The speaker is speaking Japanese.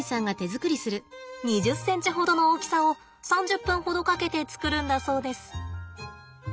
２０ｃｍほどの大きさを３０分ほどかけて作るんだそうです。